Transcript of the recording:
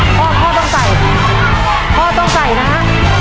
พ่อพ่อต้องใส่พ่อต้องใส่นะฮะ